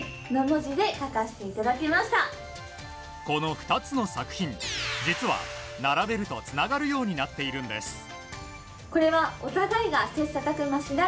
この２つの作品実は、並べるとつながるようになっているんです。